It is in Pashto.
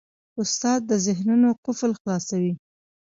استاد د ذهنونو قفل خلاصوي.